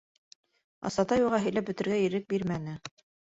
Асатай уға һөйләп бөтөргә ирек бирмәне: